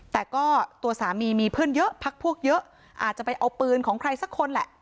แต่ก็ตัวสามีมีเพื่อนเยอะพักพวกเยอะอาจจะไปเอาปืนของใครสักคนแหละ